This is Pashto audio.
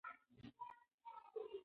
زغم د انساني ودې نښه ده